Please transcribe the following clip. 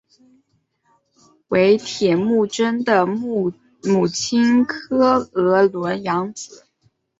为铁木真的母亲诃额仑养子。